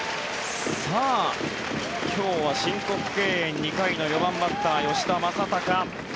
今日は申告敬遠２回の４番バッターの吉田正尚。